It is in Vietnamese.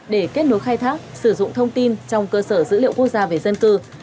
để kết nối khai thác sử dụng thông tin trong cơ sở dữ liệu quốc gia về dân cư